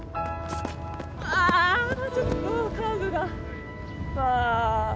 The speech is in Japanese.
あちょっとカーブが。わ。